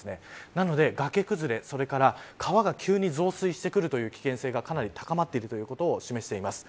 なので、崖崩れそれから川が急に増水してくる危険性がかなり高まっていることを示しています。